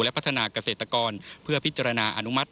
และพัฒนากเกษตรกร